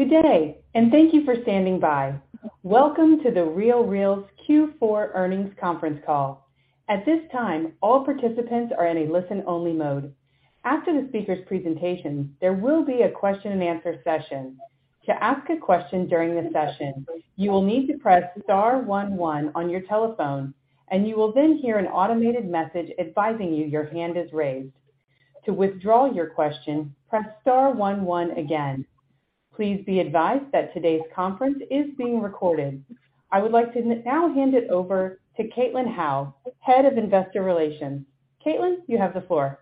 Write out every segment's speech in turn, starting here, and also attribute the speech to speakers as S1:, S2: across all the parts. S1: Good day, thank you for standing by. Welcome to The RealReal's Q4 Earnings Conference Call. At this time, all participants are in a listen-only mode. After the speaker's presentation, there will be a question-and-answer session. To ask a question during the session, you will need to press star one one on your telephone, and you will then hear an automated message advising you your hand is raised. To withdraw your question, press star one one again. Please be advised that today's conference is being recorded. I would like to now hand it over to Caitlin Howe, Head of Investor Relations. Caitlin, you have the floor.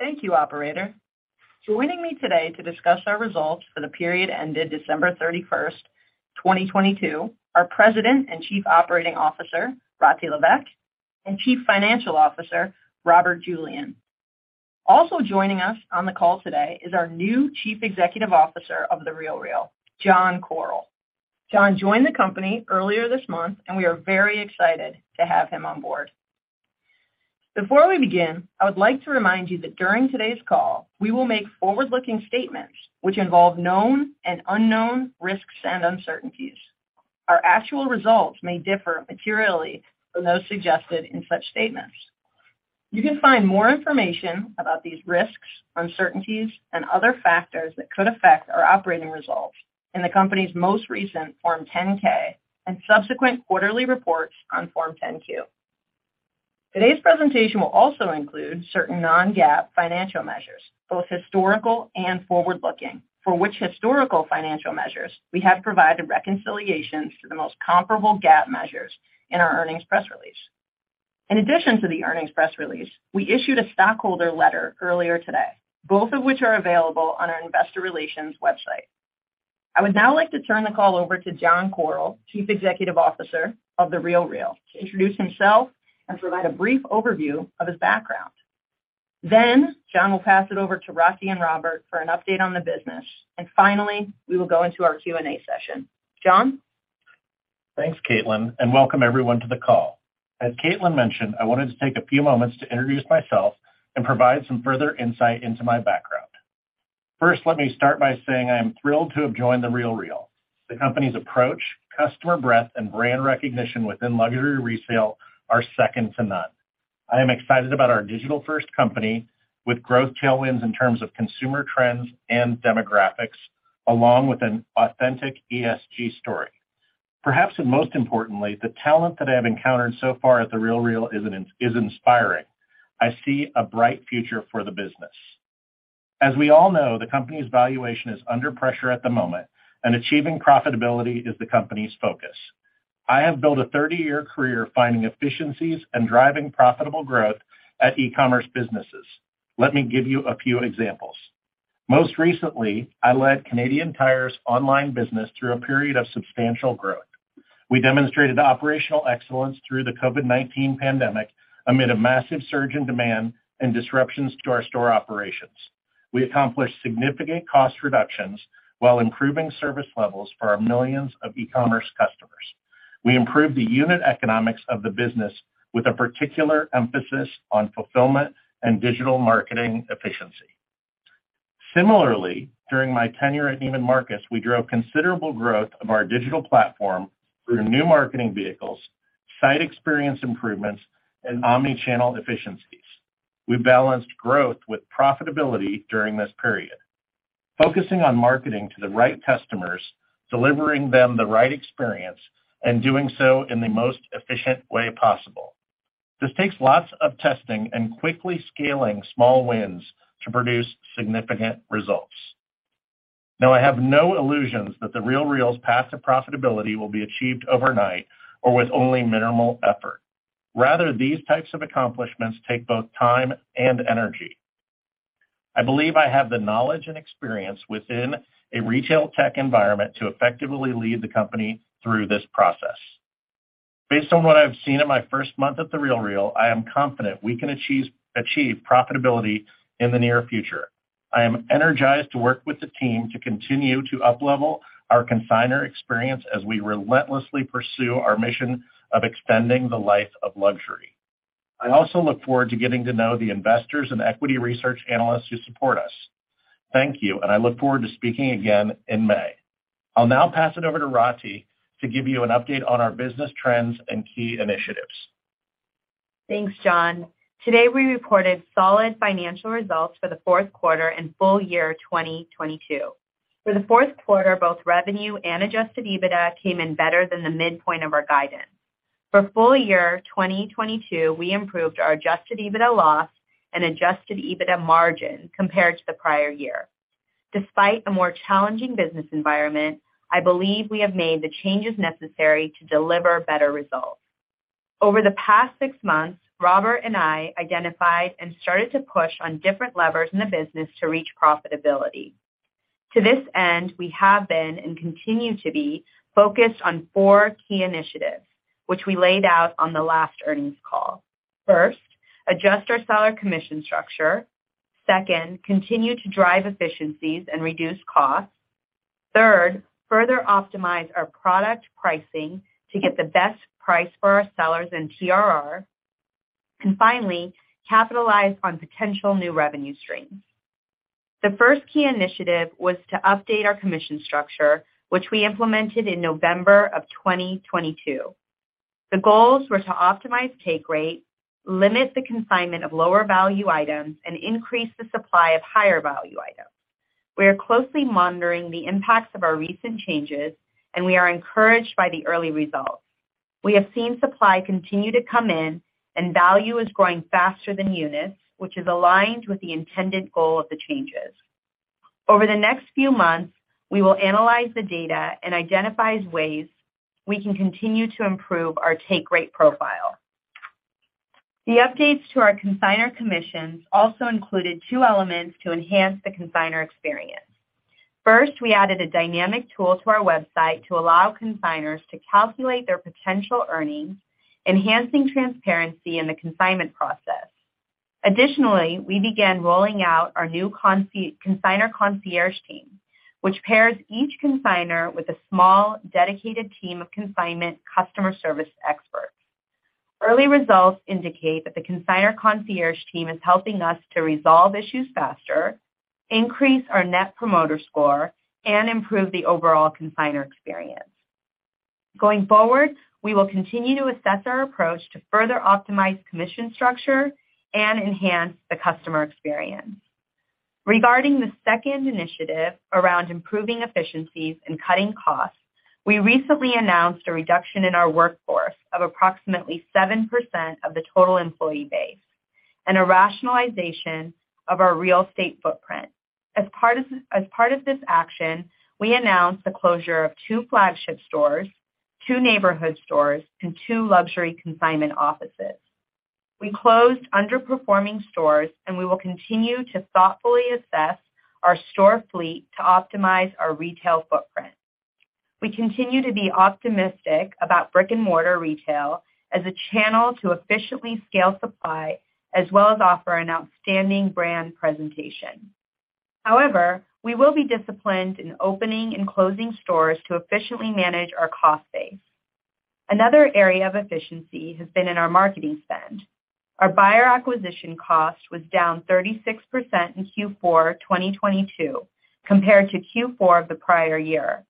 S2: Thank you, Operator. Joining me today to discuss our results for the period ended December 31st, 2022, are President and Chief Operating Officer, Rati Levesque, and Chief Financial Officer, Robert Julian. Also joining us on the call today is our new Chief Executive Officer of The RealReal, John Koryl. John joined the company earlier this month. We are very excited to have him on board. Before we begin, I would like to remind you that during today's call, we will make forward-looking statements which involve known and unknown risks and uncertainties. Our actual results may differ materially from those suggested in such statements. You can find more information about these risks, uncertainties, and other factors that could affect our operating results in the company's most recent form 10-K and subsequent quarterly reports on form 10-Q. Today's presentation will also include certain non-GAAP financial measures, both historical and forward-looking, for which historical financial measures we have provided reconciliations to the most comparable GAAP measures in our earnings press release. In addition to the earnings press release, we issued a stockholder letter earlier today, both of which are available on our Investor Relations website. I would now like to turn the call over to John Koryl, Chief Executive Officer of The RealReal, to introduce himself and provide a brief overview of his background. John will pass it over to Rati and Robert for an update on the business, and finally, we will go into our Q&A session. John?
S3: Thanks, Caitlin. Welcome everyone to the call. As Caitlin mentioned, I wanted to take a few moments to introduce myself and provide some further insight into my background. First, let me start by saying I am thrilled to have joined The RealReal. The company's approach, customer breadth, and brand recognition within luxury resale are second to none. I am excited about our digital-first company with growth tailwinds in terms of consumer trends and demographics, along with an authentic ESG story. Perhaps, most importantly, the talent that I have encountered so far at The RealReal is inspiring. I see a bright future for the business. As we all know, the company's valuation is under pressure at the moment. Achieving profitability is the company's focus. I have built a 30-year career finding efficiencies and driving profitable growth at e-commerce businesses. Let me give you a few examples. Most recently, I led Canadian Tire's online business through a period of substantial growth. We demonstrated operational excellence through the COVID-19 pandemic amid a massive surge in demand and disruptions to our store operations. We accomplished significant cost reductions while improving service levels for our millions of e-commerce customers. We improved the unit economics of the business with a particular emphasis on fulfillment and digital marketing efficiency. Similarly, during my tenure at Neiman Marcus, we drove considerable growth of our digital platform through new marketing vehicles, site experience improvements, and omni-channel efficiencies. We balanced growth with profitability during this period, focusing on marketing to the right customers, delivering them the right experience, and doing so in the most efficient way possible. This takes lots of testing and quickly scaling small wins to produce significant results. Now, I have no illusions that The RealReal's path to profitability will be achieved overnight or with only minimal effort. Rather, these types of accomplishments take both time and energy. I believe I have the knowledge and experience within a retail tech environment to effectively lead the company through this process. Based on what I've seen in my first month at The RealReal, I am confident we can achieve profitability in the near future. I am energized to work with the team to continue to uplevel our consignor experience as we relentlessly pursue our mission of extending the life of luxury. I also look forward to getting to know the investors and equity research analysts who support us. Thank you, and I look forward to speaking again in May. I'll now pass it over to Rati to give you an update on our business trends and key initiatives.
S4: Thanks, John. Today, we reported solid financial results for the fourth quarter and full year 2022. For the fourth quarter, both revenue and Adjusted EBITDA came in better than the midpoint of our guidance. For full year 2022, we improved our Adjusted EBITDA loss and Adjusted EBITDA margin compared to the prior year. Despite a more challenging business environment, I believe we have made the changes necessary to deliver better results. Over the past six months, Robert and I identified and started to push on different levers in the business to reach profitability. To this end, we have been and continue to be focused on four key initiatives, which we laid out on the last earnings call. First, adjust our seller commission structure. Second, continue to drive efficiencies and reduce costs. Further optimize our product pricing to get the best price for our sellers and TRR. Finally, capitalize on potential new revenue streams. The first key initiative was to update our commission structure, which we implemented in November of 2022. The goals were to optimize take rate, limit the consignment of lower value items, and increase the supply of higher value items. We are closely monitoring the impacts of our recent changes, and we are encouraged by the early results. We have seen supply continue to come in and value is growing faster than units, which is aligned with the intended goal of the changes. Over the next few months, we will analyze the data and identifies ways we can continue to improve our take rate profile. The updates to our consigner commissions also included two elements to enhance the consigner experience. First, we added a dynamic tool to our website to allow consigners to calculate their potential earnings, enhancing transparency in the consignment process. Additionally, we began rolling out our new Consigner Concierge team, which pairs each consigner with a small, dedicated team of consignment customer service experts. Early results indicate that the Consigner Concierge team is helping us to resolve issues faster, increase our Net Promoter Score, and improve the overall consigner experience. Going forward, we will continue to assess our approach to further optimize commission structure and enhance the customer experience. Regarding the second initiative around improving efficiencies and cutting costs, we recently announced a reduction in our workforce of approximately 7% of the total employee base and a rationalization of our real estate footprint. As part of this action, we announced the closure of two flagship stores, two neighborhood stores, and two Luxury Consignment Offices. We closed underperforming stores. We will continue to thoughtfully assess our store fleet to optimize our retail footprint. We continue to be optimistic about brick-and-mortar retail as a channel to efficiently scale supply, as well as offer an outstanding brand presentation. However, we will be disciplined in opening and closing stores to efficiently manage our cost base. Another area of efficiency has been in our marketing spend. Our buyer acquisition cost was down 36% in Q4 2022 compared to Q4 of the prior year.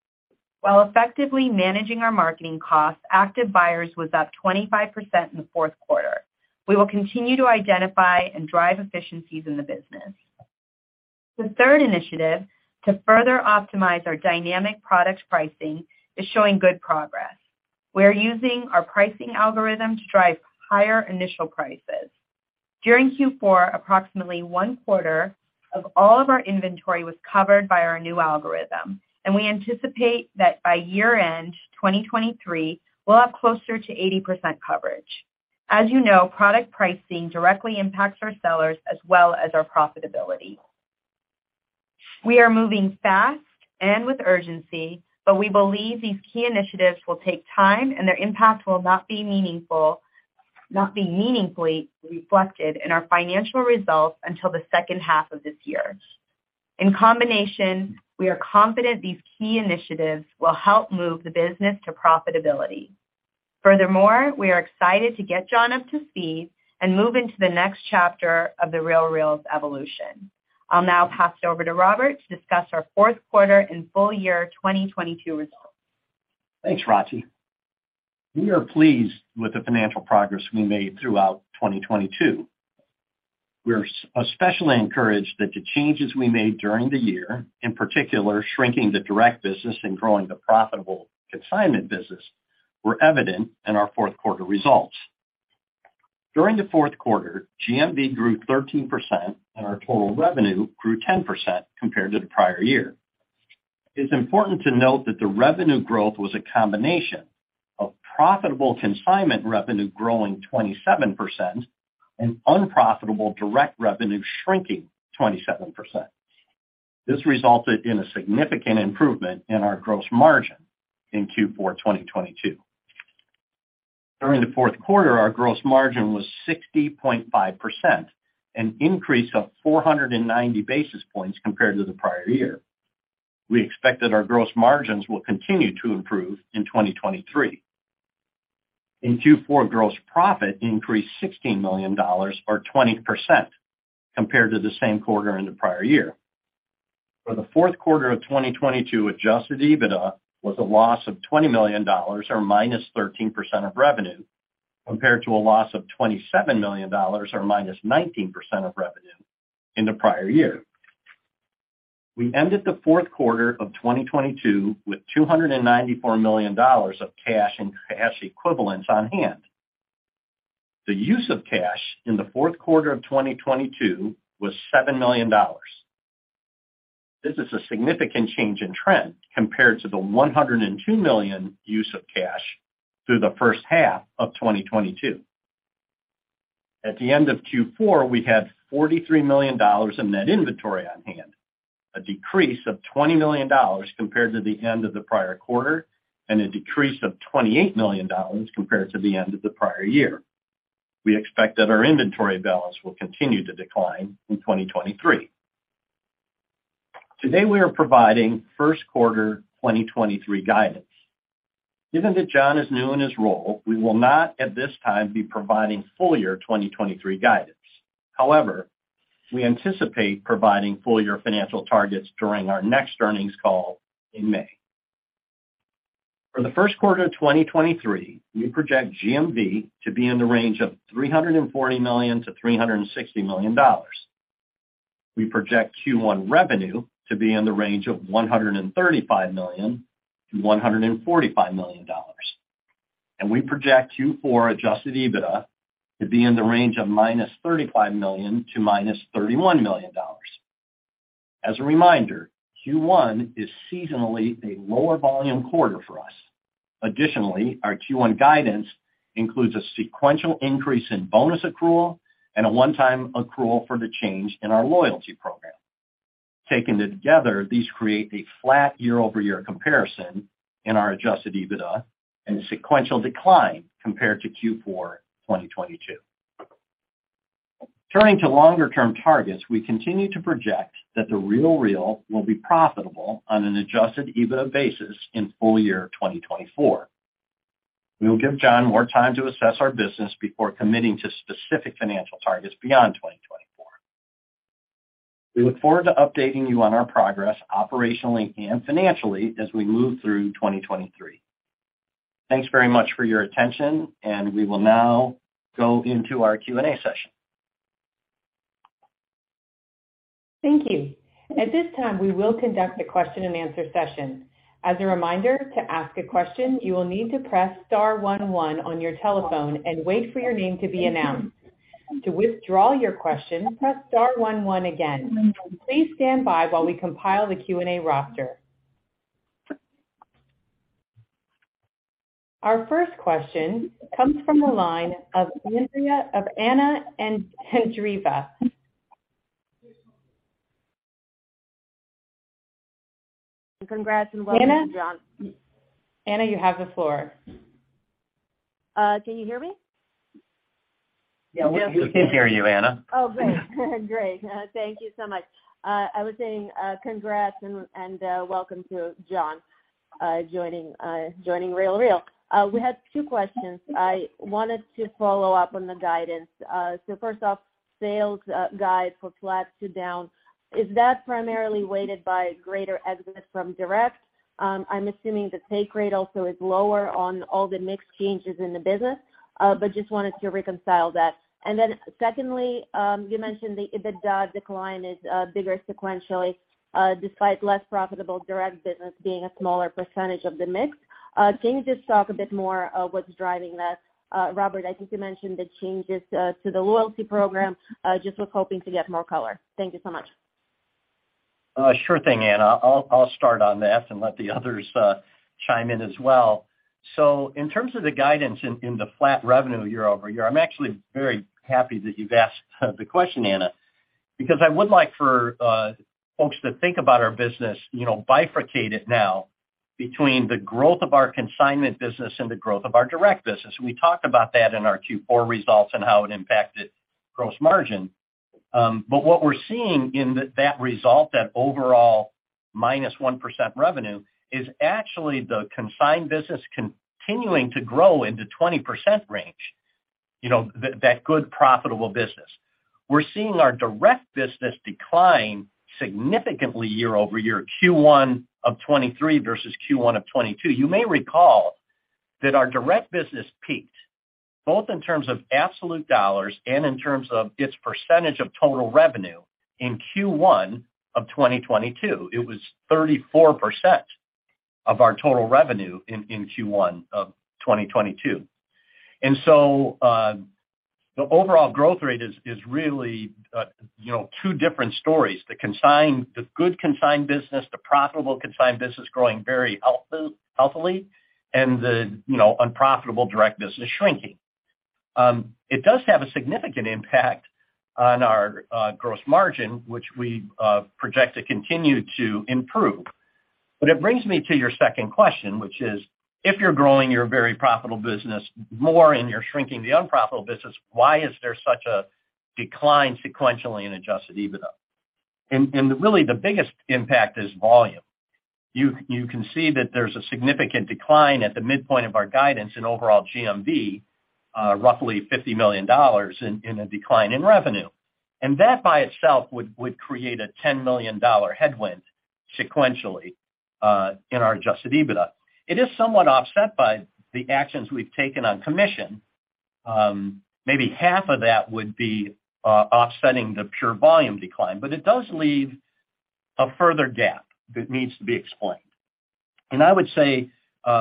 S4: While effectively managing our marketing costs, active buyers was up 25% in the fourth quarter. We will continue to identify and drive efficiencies in the business. The third initiative to further optimize our dynamic product pricing is showing good progress. We're using our pricing algorithm to drive higher initial prices. During Q4, approximately one-quarter of all of our inventory was covered by our new algorithm, and we anticipate that by year-end 2023, we'll have closer to 80% coverage. As you know, product pricing directly impacts our sellers as well as our profitability. We are moving fast and with urgency, we believe these key initiatives will take time, and their impact will not be meaningfully reflected in our financial results until the second half of this year. In combination, we are confident these key initiatives will help move the business to profitability. Furthermore, we are excited to get John up to speed and move into the next chapter of The RealReal's evolution. I'll now pass it over to Robert to discuss our fourth quarter and full year 2022 results.
S5: Thanks, Rati. We are pleased with the financial progress we made throughout 2022. We're especially encouraged that the changes we made during the year, in particular shrinking the direct business and growing the profitable consignment business, were evident in our fourth quarter results. During the fourth quarter, GMV grew 13% and our total revenue grew 10% compared to the prior year. It's important to note that the revenue growth was a combination of profitable consignment revenue growing 27% and unprofitable direct revenue shrinking 27%. This resulted in a significant improvement in our gross margin in Q4 2022. During the fourth quarter, our gross margin was 60.5%, an increase of 490 basis points compared to the prior year. We expect that our gross margins will continue to improve in 2023. In Q4, gross profit increased $16 million or 20% compared to the same quarter in the prior year. For the fourth quarter of 2022, Adjusted EBITDA was a loss of $20 million or -13% of revenue, compared to a loss of $27 million or -19% of revenue in the prior year. We ended the fourth quarter of 2022 with $294 million of cash and cash equivalents on hand. The use of cash in the fourth quarter of 2022 was $7 million. This is a significant change in trend compared to the $102 million use of cash through the first half of 2022. At the end of Q4, we had $43 million in net inventory on hand, a decrease of $20 million compared to the end of the prior quarter, and a decrease of $28 million compared to the end of the prior year. We expect that our inventory balance will continue to decline in 2023. Today, we are providing first quarter 2023 guidance. Given that John is new in his role, we will not, at this time, be providing full year 2023 guidance. However, we anticipate providing full year financial targets during our next earnings call in May. For the first quarter of 2023, we project GMV to be in the range of $340 million-$360 million. We project Q1 revenue to be in the range of $135 million-$145 million. We project Q4 Adjusted EBITDA to be in the range of -$35 million to -$31 million. As a reminder, Q1 is seasonally a lower volume quarter for us. Additionally, our Q1 guidance includes a sequential increase in bonus accrual and a one-time accrual for the change in our loyalty program. Taken together, these create a flat year-over-year comparison in our Adjusted EBITDA and sequential decline compared to Q4 2022. Turning to longer-term targets, we continue to project that The RealReal will be profitable on an Adjusted EBITDA basis in full year 2024. We will give John more time to assess our business before committing to specific financial targets beyond 2024. We look forward to updating you on our progress operationally and financially as we move through 2023. Thanks very much for your attention, and we will now go into our Q&A session.
S1: Thank you. At this time, we will conduct a question-and-answer session. As a reminder, to ask a question, you will need to press star one one on your telephone and wait for your name to be announced. To withdraw your question, press star one one again. Please stand by while we compile the Q&A roster. Our first question comes from the line of Anna Andreeva.
S6: Congrats and welcome, John.
S1: Anna, you have the floor.
S6: Can you hear me?
S5: Yeah, we can hear you, Anna.
S6: Oh, great. Great. Thank you so much. I was saying, congrats and welcome to John, joining The RealReal. We had two questions. I wanted to follow up on the guidance. First off, sales guide for flat to down. Is that primarily weighted by greater exit from direct? I'm assuming the take rate also is lower on all the mix changes in the business, but just wanted to reconcile that. Secondly, you mentioned the decline is bigger sequentially, despite less profitable direct business being a smaller percentage of the mix. Can you just talk a bit more of what's driving that? Robert, I think you mentioned the changes to the loyalty program. Just was hoping to get more color. Thank you so much.
S5: Sure thing, Anna. I'll start on that and let the others chime in as well. In terms of the guidance in the flat revenue year-over-year, I'm actually very happy that you've asked the question, Anna, because I would like for folks to think about our business, you know, bifurcated now between the growth of our consignment business and the growth of our direct business. We talked about that in our Q4 results and how it impacted gross margin. What we're seeing in that result, that overall minus 1% revenue, is actually the consigned business continuing to grow in the 20% range. You know, that good, profitable business. We're seeing our direct business decline significantly year-over-year, Q1 of 2023 versus Q1 of 2022. You may recall that our direct business peaked, both in terms of absolute dollars and in terms of its percentage of total revenue in Q1 of 2022. It was 34% of our total revenue in Q1 of 2022. The overall growth rate is really, you know, two different stories. The good consigned business, the profitable consigned business growing very healthily, and the, you know, unprofitable direct business shrinking. It does have a significant impact on our gross margin, which we project to continue to improve. It brings me to your second question, which is, if you're growing your very profitable business more and you're shrinking the unprofitable business, why is there such a decline sequentially in Adjusted EBITDA? And really the biggest impact is volume. You can see that there's a significant decline at the midpoint of our guidance in overall GMV, roughly $50 million in a decline in revenue. That by itself would create a $10 million headwind sequentially in our Adjusted EBITDA. It is somewhat offset by the actions we've taken on commission. Maybe half of that would be offsetting the pure volume decline. It does leave a further gap that needs to be explained. I would say,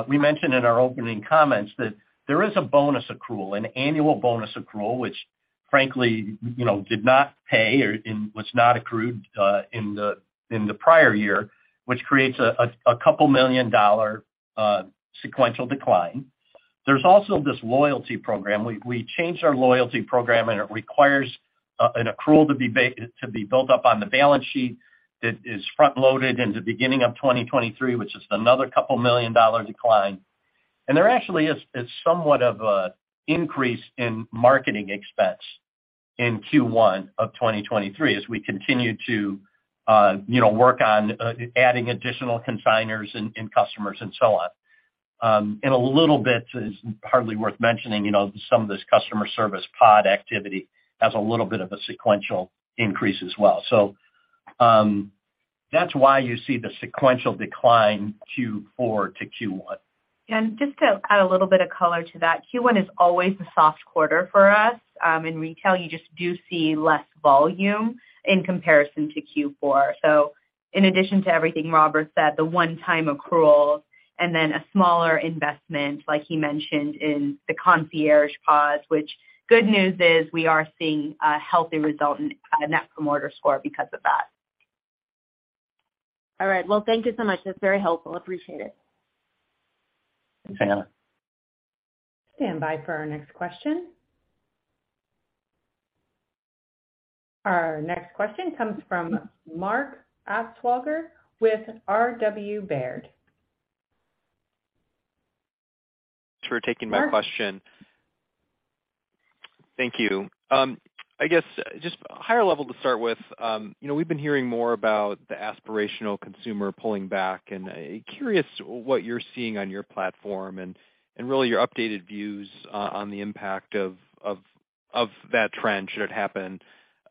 S5: we mentioned in our opening comments that there is a bonus accrual, an annual bonus accrual, which frankly, you know, did not pay or was not accrued in the prior year, which creates a couple million dollar sequential decline. There's also this loyalty program. We changed our loyalty program, and it requires an accrual to be built up on the balance sheet that is front-loaded in the beginning of 2023, which is another couple million dollar decline. There actually is somewhat of a increase in marketing expense in Q1 of 2023 as we continue to, you know, work on adding additional consigners and customers and so on. A little bit is hardly worth mentioning, you know, some of this customer service pod activity has a little bit of a sequential increase as well. That's why you see the sequential decline Q4-Q1.
S4: Just to add a little bit of color to that, Q1 is always a soft quarter for us. In retail, you just do see less volume in comparison to Q4. In addition to everything Robert said, the onetime accrual and then a smaller investment, like he mentioned in the concierge pods, which good news is we are seeing a healthy result in a Net Promoter Score because of that.
S6: All right. Well, thank you so much. That's very helpful. Appreciate it.
S5: Thanks, Anna.
S1: Stand by for our next question. Our next question comes from Mark Altschwager with Robert W. Baird.
S7: Thanks for taking my question. Thank you. I guess just higher level to start with, you know, we've been hearing more about the aspirational consumer pulling back, curious what you're seeing on your platform and really your updated views on the impact of, of that trend should it happen,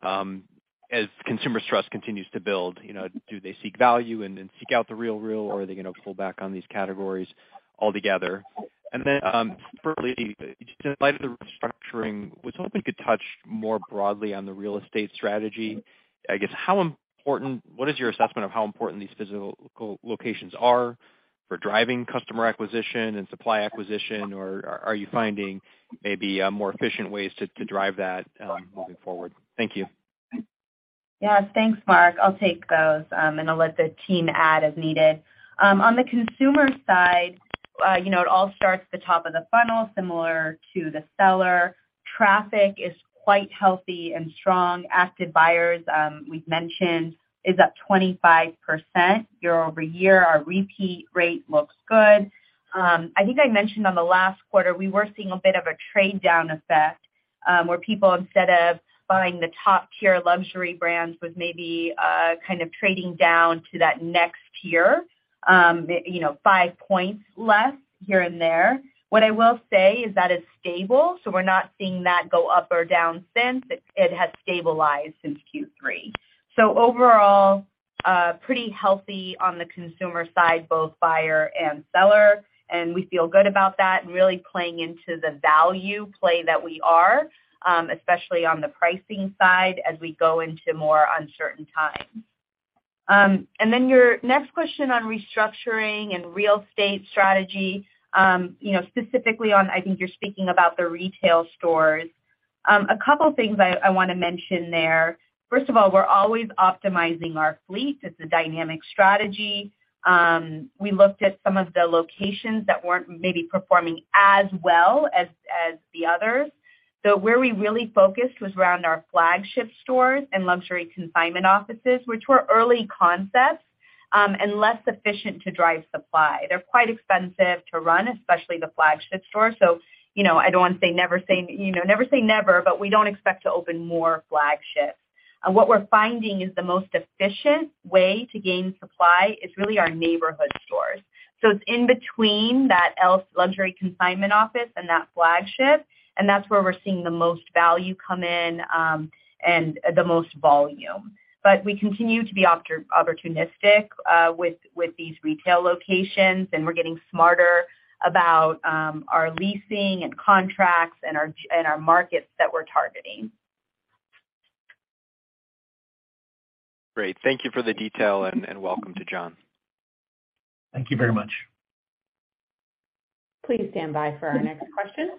S7: as consumer trust continues to build, you know, do they seek value and then seek out The RealReal, or are they gonna pull back on these categories altogether? Thirdly, just in light of the restructuring, I was hoping you could touch more broadly on the real estate strategy. I guess, what is your assessment of how important these physical locations are for driving customer acquisition and supply acquisition? Or are you finding maybe, more efficient ways to drive that, moving forward? Thank you.
S4: Yeah. Thanks, Mark. I'll take those, and I'll let the team add as needed. On the consumer side, you know, it all starts at the top of the funnel, similar to the seller. Traffic is quite healthy and strong. Active buyers, we've mentioned, is up 25% year-over-year. Our repeat rate looks good. I think I mentioned on the last quarter, we were seeing a bit of a trade down effect, where people, instead of buying the top-tier luxury brands, was maybe, kind of trading down to that next tier, you know, 5 points less here and there. What I will say is that it's stable, so we're not seeing that go up or down since. It has stabilized since Q3. Overall, pretty healthy on the consumer side, both buyer and seller, and we feel good about that and really playing into the value play that we are, especially on the pricing side as we go into more uncertain times. Your next question on restructuring and real estate strategy, you know, specifically on, I think you're speaking about the retail stores. A couple things I want to mention there. First of all, we're always optimizing our fleet. It's a dynamic strategy. We looked at some of the locations that weren't maybe performing as well as the others. Where we really focused was around our flagship stores and Luxury Consignment Offices, which were early concepts and less efficient to drive supply. They're quite expensive to run, especially the flagship store. You know, I don't want to say never say... you know, never say never, but we don't expect to open more flagships. What we're finding is the most efficient way to gain supply is really our neighborhood stores. It's in between that Luxury Consignment Office and that flagship, and that's where we're seeing the most value come in and the most volume. We continue to be opportunistic with these retail locations, and we're getting smarter about our leasing and contracts and our markets that we're targeting.
S7: Great. Thank you for the detail and welcome to John.
S3: Thank you very much.
S1: Please stand by for our next question.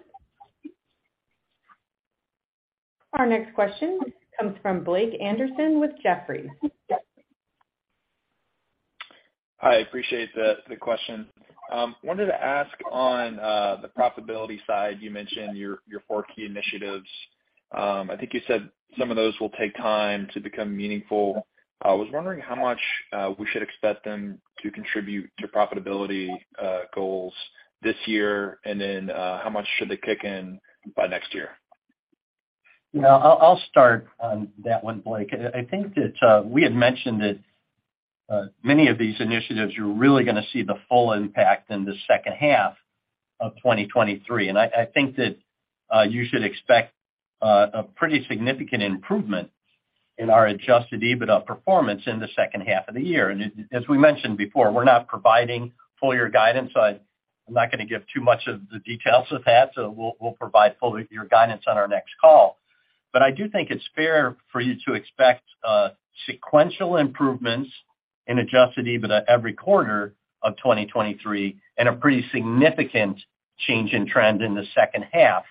S1: Our next question comes from Blake Anderson with Jefferies.
S8: Hi, appreciate the question. wanted to ask on the profitability side, you mentioned your four key initiatives. I think you said some of those will take time to become meaningful. I was wondering how much we should expect them to contribute to profitability goals this year, and then how much should they kick in by next year?
S5: You know, I'll start on that one, Blake. I think that we had mentioned that many of these initiatives, you're really gonna see the full impact in the second half of 2023. I think that you should expect a pretty significant improvement in our Adjusted EBITDA performance in the second half of the year. As we mentioned before, we're not providing full year guidance, I'm not gonna give too much of the details of that, We'll provide full year guidance on our next call. I do think it's fair for you to expect sequential improvements in Adjusted EBITDA every quarter of 2023 and a pretty significant change in trend in the second half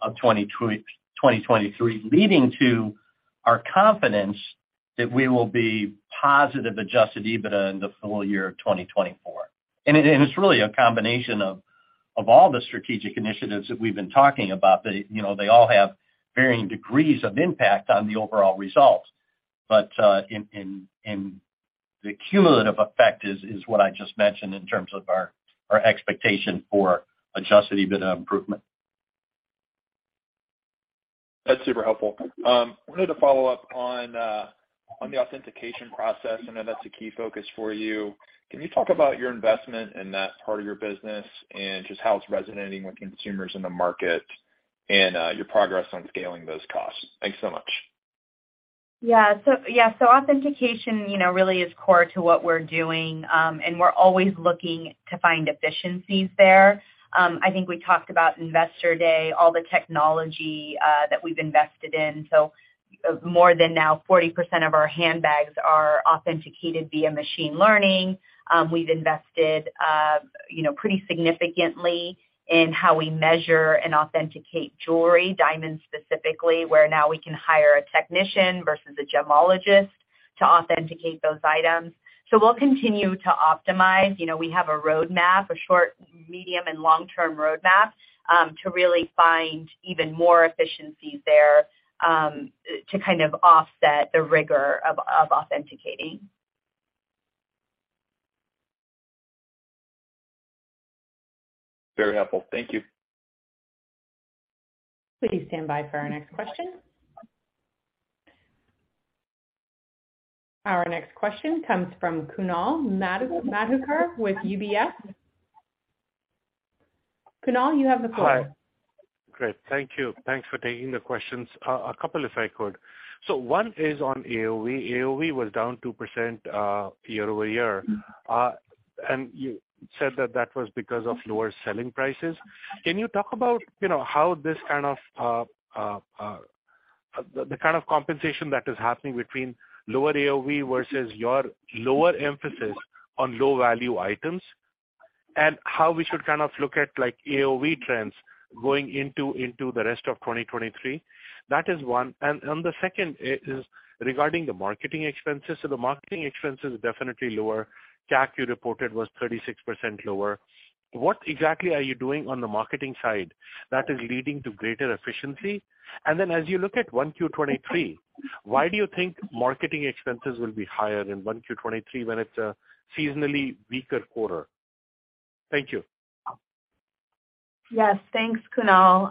S5: of 2023, leading to our confidence that we will be positive Adjusted EBITDA in the full year of 2024. It's really a combination of all the strategic initiatives that we've been talking about, they, you know, they all have varying degrees of impact on the overall results. In the cumulative effect is what I just mentioned in terms of our expectation for Adjusted EBITDA improvement.
S8: That's super helpful. Wanted to follow up on the authentication process. I know that's a key focus for you. Can you talk about your investment in that part of your business and just how it's resonating with consumers in the market and, your progress on scaling those costs? Thanks so much.
S4: Authentication, you know, really is core to what we're doing, and we're always looking to find efficiencies there. I think we talked about Investor Day, all the technology that we've invested in. More than now 40% of our handbags are authenticated via machine learning. We've invested, you know, pretty significantly in how we measure and authenticate jewelry, diamonds specifically, where now we can hire a technician versus a gemologist to authenticate those items. We'll continue to optimize. You know, we have a roadmap, a short, medium, and long-term roadmap, to really find even more efficiencies there, to kind of offset the rigor of authenticating.
S8: Very helpful. Thank you.
S1: Please stand by for our next question. Our next question comes from Kunal Madhukar with UBS. Kunal, you have the floor.
S9: Hi. Great. Thank you. Thanks for taking the questions. A couple if I could. One is on AOV. AOV was down 2% year-over-year. You said that that was because of lower selling prices. Can you talk about, you know, how this kind of, the kind of compensation that is happening between lower AOV versus your lower emphasis on low-value items, and how we should kind of look at like AOV trends going into the rest of 2023? That is one. The second is regarding the marketing expenses. The marketing expenses are definitely lower. CAC you reported was 36% lower. What exactly are you doing on the marketing side that is leading to greater efficiency? As you look at 1Q 2023, why do you think marketing expenses will be higher in 1Q 2023 when it's a seasonally weaker quarter? Thank you.
S4: Yes. Thanks, Kunal.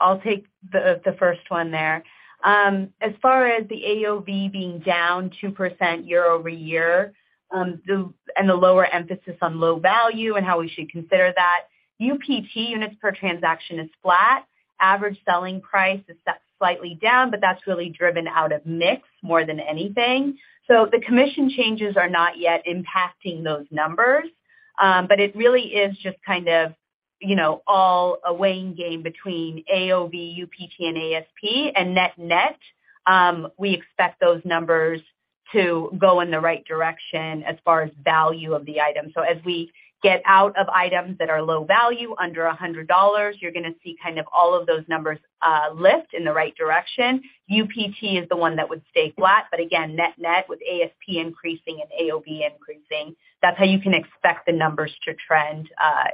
S4: I'll take the first one there. As far as the AOV being down 2% year-over-year, and the lower emphasis on low value and how we should consider that, UPT, units per transaction, is flat. Average selling price is slightly down, but that's really driven out of mix more than anything. The commission changes are not yet impacting those numbers, but it really is just kind of, you know, all a weighing game between AOV, UPT, and ASP and net net. We expect those numbers to go in the right direction as far as value of the item. As we get out of items that are low value, under $100, you're gonna see kind of all of those numbers lift in the right direction. UPT is the one that would stay flat, again, net net with ASP increasing and AOV increasing, that's how you can expect the numbers to trend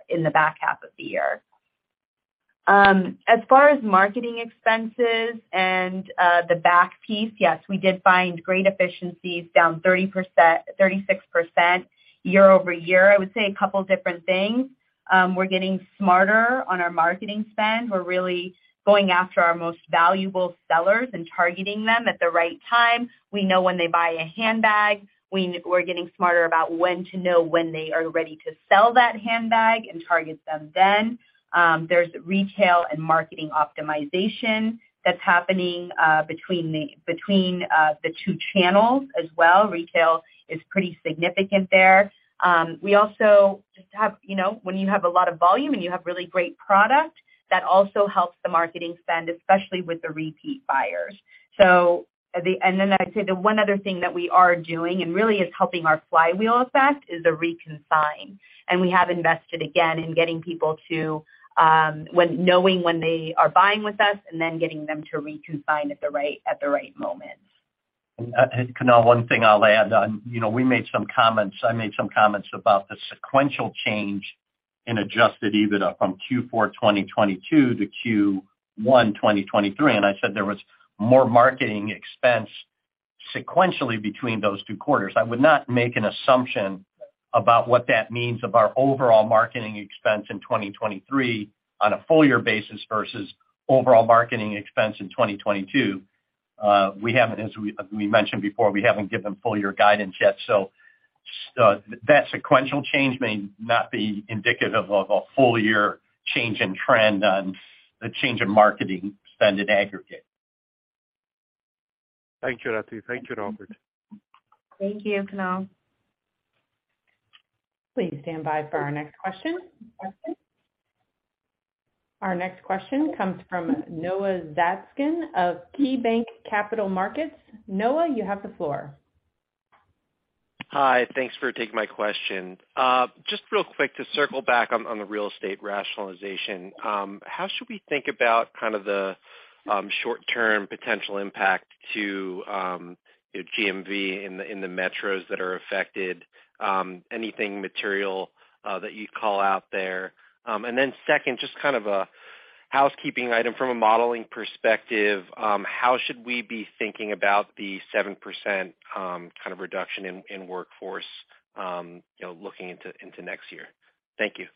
S4: in the back half of the year. As far as marketing expenses and the back piece, yes, we did find great efficiencies down 36% year-over-year. I would say a couple different things. We're getting smarter on our marketing spend. We're really going after our most valuable sellers and targeting them at the right time. We know when they buy a handbag. We're getting smarter about when to know when they are ready to sell that handbag and target them then. There's retail and marketing optimization that's happening between the two channels as well. Retail is pretty significant there. We also just have, you know, when you have a lot of volume, and you have really great product, that also helps the marketing spend, especially with the repeat buyers. At the end, then I'd say the one other thing that we are doing and really is helping our flywheel effect is the reconsign. We have invested again in getting people to knowing when they are buying with us and then getting them to reconsign at the right moment.
S5: Kunal, one thing I'll add on. You know, we made some comments, I made some comments about the sequential change in Adjusted EBITDA from Q4 2022 to Q1 2023, and I said there was more marketing expense sequentially between those two quarters. I would not make an assumption about what that means of our overall marketing expense in 2023 on a full year basis versus overall marketing expense in 2022. We haven't, as we mentioned before, we haven't given full year guidance yet, so that sequential change may not be indicative of a full year change in trend on the change in marketing spend in aggregate.
S9: Thank you, Rati. Thank you, Robert.
S4: Thank you, Kunal.
S1: Please stand by for our next question. Our next question comes from Noah Zatzkin of KeyBanc Capital Markets. Noah, you have the floor.
S10: Hi. Thanks for taking my question. Just real quick to circle back on the real estate rationalization, how should we think about kind of the short-term potential impact to, you know, GMV in the metros that are affected, anything material that you'd call out there? Second, just kind of a housekeeping item from a modeling perspective, how should we be thinking about the 7% kind of reduction in workforce, you know, looking into next year? Thank you.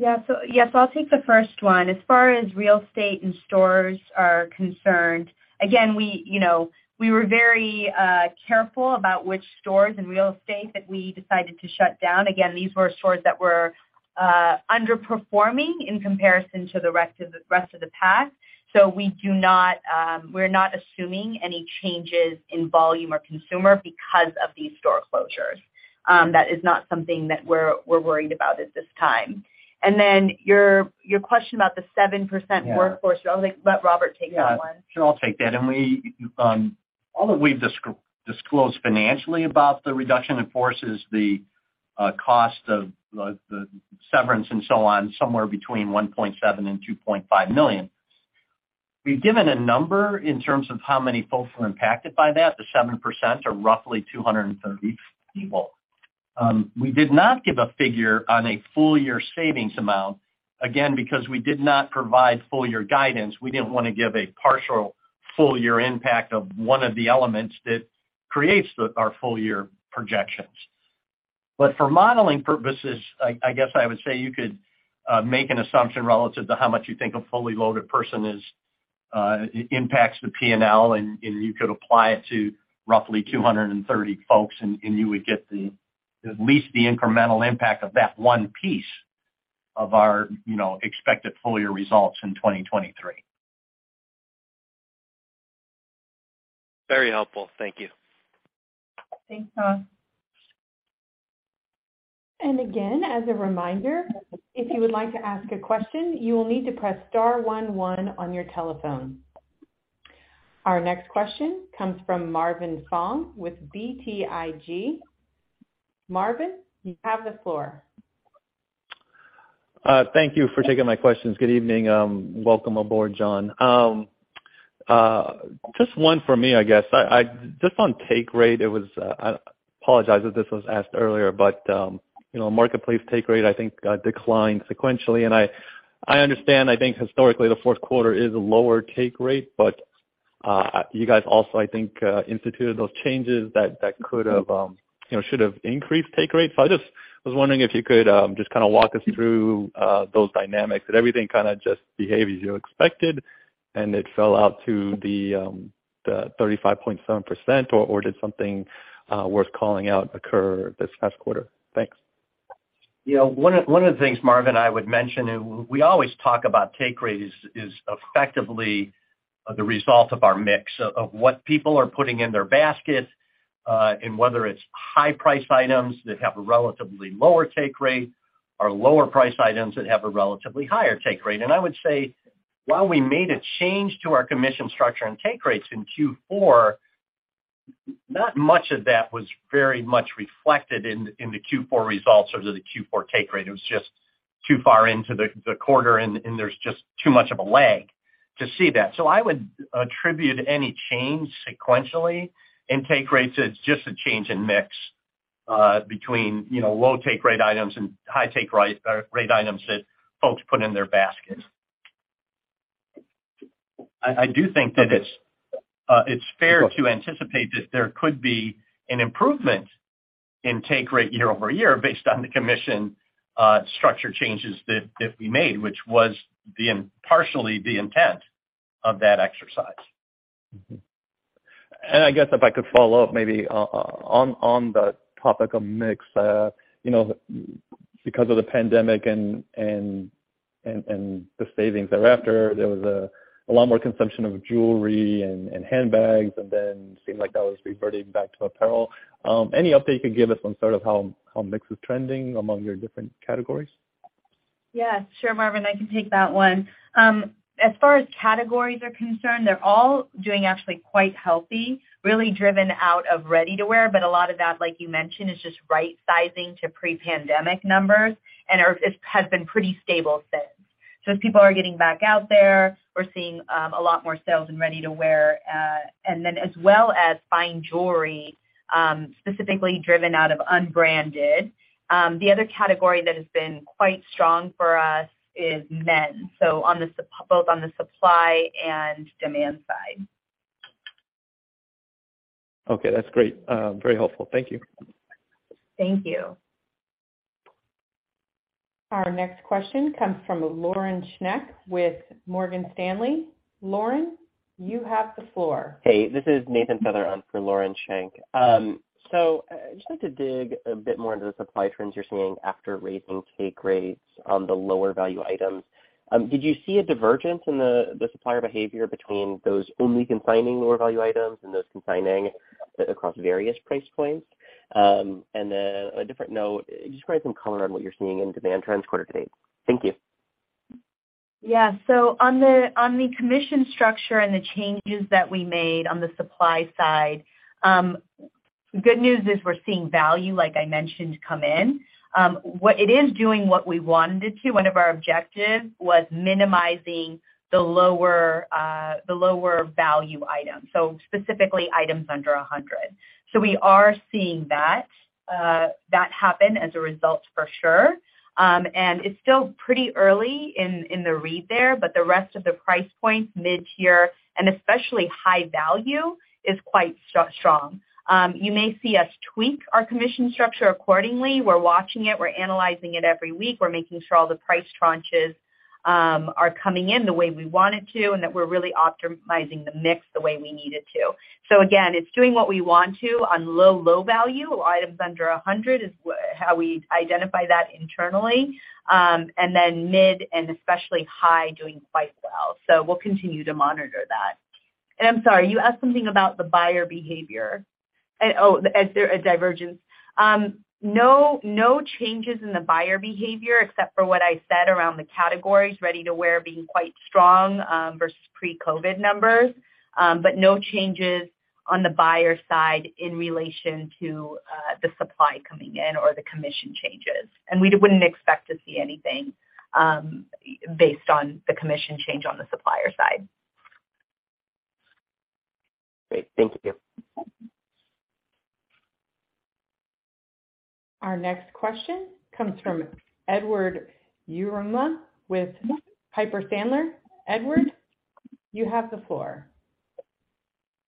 S4: Yeah. Yes, I'll take the first one. As far as real estate and stores are concerned, again, we, you know, we were very careful about which stores and real estate that we decided to shut down. Again, these were stores that were underperforming in comparison to the rest of the pack. We do not, we're not assuming any changes in volume or consumer because of these store closures. That is not something that we're worried about at this time. Your question about the 7%-
S10: Yeah.
S4: workforce. I'll let Robert take that one.
S5: Yeah. Sure, I'll take that. We all that we've disclosed financially about the reduction in force is the cost of the severance and so on, somewhere between $1.7 million and $2.5 million. We've given a number in terms of how many folks were impacted by that. The 7% are roughly 230 people. We did not give a figure on a full year savings amount. Again, because we did not provide full year guidance, we didn't wanna give a partial full year impact of one of the elements that creates our full year projections. For modeling purposes, I guess I would say you could make an assumption relative to how much you think a fully loaded person is, impacts the P&L, and you could apply it to roughly 230 folks, and you would get the at least the incremental impact of that one piece of our, you know, expected full year results in 2023.
S10: Very helpful. Thank you.
S4: Thanks, Noah.
S1: Again, as a reminder, if you would like to ask a question, you will need to press star one one on your telephone. Our next question comes from Marvin Fong with BTIG. Marvin, you have the floor.
S11: Thank you for taking my questions. Good evening. Welcome aboard, John. Just one for me, I guess. I just on take rate, it was, I apologize if this was asked earlier, but, you know, marketplace take rate, I think, declined sequentially. I understand, I think historically the fourth quarter is a lower take rate, but you guys also, I think, instituted those changes that could have, you know, should have increased take rate. I just was wondering if you could, just kinda walk us through, those dynamics. Did everything kinda just behave as you expected, and it fell out to the 35.7%, or did something worth calling out occur this past quarter? Thanks.
S5: You know, one of the things, Marvin, I would mention, and we always talk about take rate is effectively the result of our mix of what people are putting in their basket, and whether it's high price items that have a relatively lower take rate or lower price items that have a relatively higher take rate. I would say, while we made a change to our commission structure and take rates in Q4, not much of that was very much reflected in the Q4 results or to the Q4 take rate. It was just too far into the quarter and there's just too much of a lag to see that. I would attribute any change sequentially in take rates as just a change in mix, between, you know, low take rate items and high take rate items that folks put in their basket. I do think that it's fair to anticipate that there could be an improvement in take rate year-over-year based on the commission structure changes that we made, which was partially the intent of that exercise.
S11: Mm-hmm. I guess if I could follow up maybe on the topic of mix. You know, because of the pandemic and the savings thereafter, there was a lot more consumption of jewelry and handbags, and then seemed like that was reverting back to apparel. Any update you can give us on sort of how mix is trending among your different categories?
S4: Yeah. Sure, Marvin, I can take that one. As far as categories are concerned, they're all doing actually quite healthy, really driven out of ready to wear, but a lot of that, like you mentioned, is just right sizing to pre-pandemic numbers and it has been pretty stable since. As people are getting back out there, we're seeing a lot more sales in ready to wear, and then as well as fine jewelry, specifically driven out of unbranded. The other category that has been quite strong for us is men, so both on the supply and demand side.
S11: Okay, that's great. Very helpful. Thank you.
S4: Thank you.
S1: Our next question comes from Lauren Schenk with Morgan Stanley. Lauren, you have the floor.
S12: Hey, this is Nathan Feather on for Lauren Schenk. I'd just like to dig a bit more into the supply trends you're seeing after raising take rates on the lower value items. Did you see a divergence in the supplier behavior between those only consigning lower value items and those consigning a bit across various price points? On a different note, just provide some color on what you're seeing in demand trends quarter-to-date. Thank you.
S4: Yeah. On the, on the commission structure and the changes that we made on the supply side, Good news is we're seeing value, like I mentioned, come in. What it is doing what we want it to. One of our objectives was minimizing the lower, the lower value items, so specifically items under $100. We are seeing that happen as a result for sure. It's still pretty early in the read there, but the rest of the price points mid-tier and especially high value is quite strong. You may see us tweak our commission structure accordingly. We're watching it. We're analyzing it every week. We're making sure all the price tranches are coming in the way we want it to, and that we're really optimizing the mix the way we need it to. Again, it's doing what we want to on low value, items under $100 is how we identify that internally, and then mid and especially high doing quite well. We'll continue to monitor that. I'm sorry, you asked something about the buyer behavior. Is there a divergence? No changes in the buyer behavior, except for what I said around the categories, ready-to-wear being quite strong, versus pre-COVID numbers. No changes on the buyer side in relation to the supply coming in or the commission changes. We wouldn't expect to see anything based on the commission change on the supplier side.
S12: Great. Thank you.
S1: Our next question comes from Edward Yruma with Piper Sandler. Edward, you have the floor.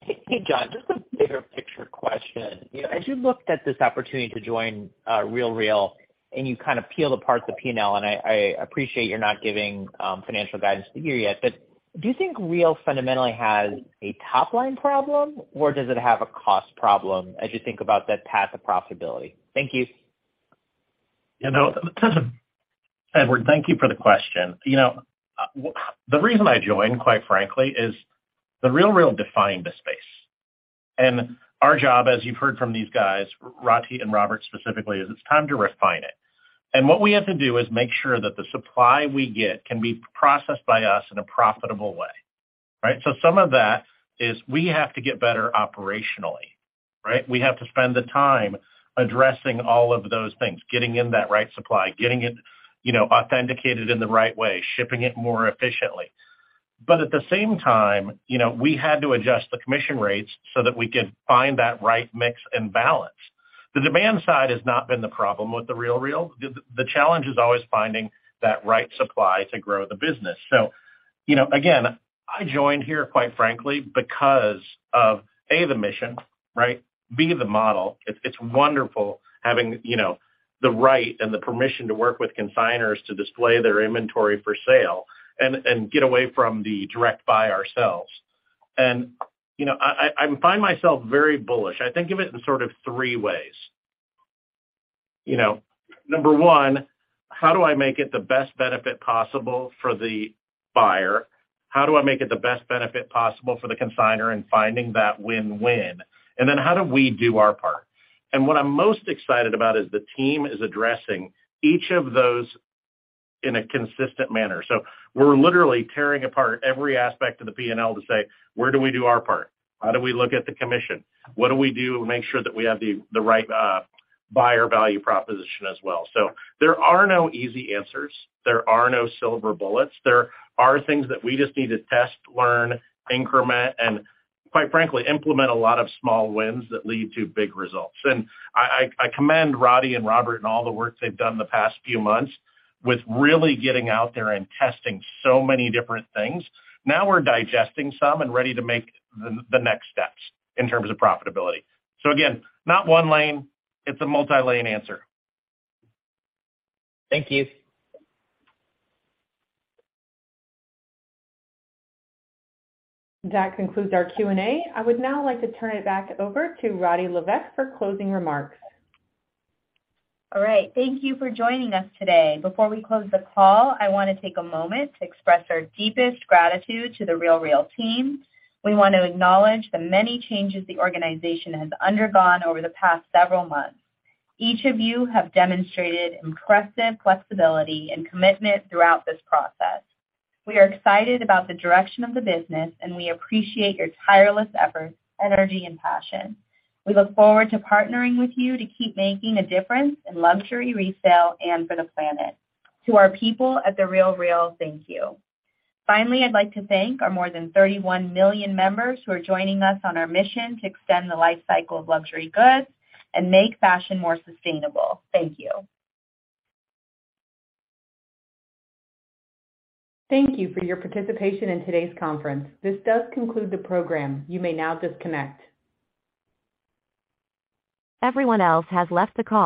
S13: Hey, John, just a bigger picture question. You know, as you looked at this opportunity to join RealReal, and you kind of peel apart the P&L, and I appreciate you're not giving financial guidance to the year yet. Do you think Real fundamentally has a top-line problem, or does it have a cost problem, as you think about that path of profitability? Thank you.
S3: You know, Edward, thank you for the question. You know, the reason I joined, quite frankly, is that The RealReal defined the space. Our job, as you've heard from these guys, Rati and Robert specifically, is it's time to refine it. What we have to do is make sure that the supply we get can be processed by us in a profitable way, right? Some of that is we have to get better operationally, right? We have to spend the time addressing all of those things, getting in that right supply, getting it, you know, authenticated in the right way, shipping it more efficiently. At the same time, you know, we had to adjust the commission rates so that we could find that right mix and balance. The demand side has not been the problem with The RealReal. The challenge is always finding that right supply to grow the business. You know, again, I joined here, quite frankly, because of, A, the mission, right, B, the model. It's wonderful having, you know, the right and the permission to work with consigners to display their inventory for sale and get away from the direct buy ourselves. You know, I find myself very bullish. I think of it in sort of three ways. You know, number one, how do I make it the best benefit possible for the buyer? How do I make it the best benefit possible for the consigner and finding that win-win? Then how do we do our part? What I'm most excited about is the team is addressing each of those in a consistent manner. We're literally tearing apart every aspect of the P&L to say, "Where do we do our part? How do we look at the commission? What do we do to make sure that we have the right buyer value proposition as well?" There are no easy answers. There are no silver bullets. There are things that we just need to test, learn, increment, and quite frankly, implement a lot of small wins that lead to big results. I commend Rati and Robert and all the work they've done the past few months with really getting out there and testing so many different things. Now we're digesting some and ready to make the next steps in terms of profitability. Again, not one lane, it's a multi-lane answer.
S13: Thank you.
S1: That concludes our Q&A. I would now like to turn it back over to Rati Levesque for closing remarks.
S4: All right. Thank you for joining us today. Before we close the call, I wanna take a moment to express our deepest gratitude to The RealReal team. We want to acknowledge the many changes the organization has undergone over the past several months. Each of you have demonstrated impressive flexibility and commitment throughout this process. We are excited about the direction of the business, and we appreciate your tireless efforts, energy and passion. We look forward to partnering with you to keep making a difference in luxury resale and for the planet. To our people at The RealReal, thank you. Finally, I'd like to thank our more than 31 million members who are joining us on our mission to extend the life cycle of luxury goods and make fashion more sustainable. Thank you.
S1: Thank you for your participation in today's conference. This does conclude the program. You may now disconnect. Everyone else has left the call.